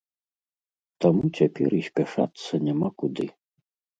Таму цяпер і спяшацца няма куды.